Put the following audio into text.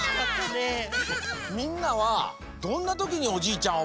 みんなはどんなときにおじいちゃん